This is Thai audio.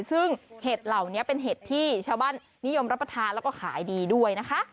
ซึ่งเห็ดเหล่านี้เป็นเห็ดที่ชาวบ้านนิยมรับประทานแล้วก็ขายดีด้วยนะคะ